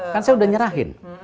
kan saya udah nyerahin